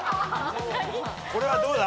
これはどうだ？